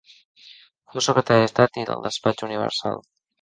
Fou Secretari d'Estat i del Despatx Universal.